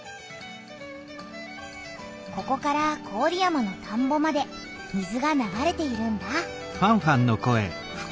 ここから郡山の田んぼまで水が流れているんだ。